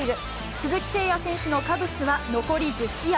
鈴木誠也選手のカブスは、残り１０試合。